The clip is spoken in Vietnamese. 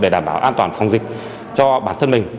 để đảm bảo an toàn phòng dịch cho bản thân mình